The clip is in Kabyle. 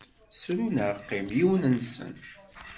Sru neɣ qqim, yiwen-nsen.